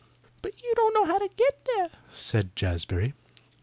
"But you don't know how to get there," said Jazbury.